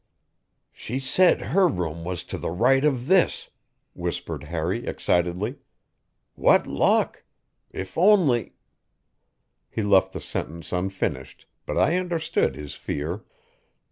"She said her room was to the right of this," whispered Harry excitedly. "What luck! If only " He left the sentence unfinished, but I understood his fear.